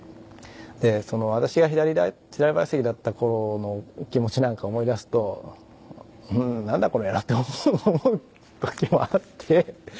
私が左陪席だった頃の気持ちなんか思い出すと何だこの野郎って思う時もあって。